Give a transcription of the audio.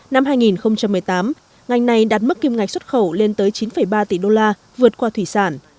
năm hai nghìn một mươi tám ngành này đạt mức kim ngạch xuất khẩu lên tới chín ba tỷ đô la vượt qua thủy sản